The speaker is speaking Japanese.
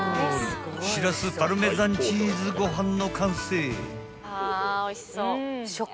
［しらすパルメザンチーズご飯の完成］